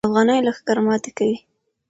افغاني لښکر ماتې کوي.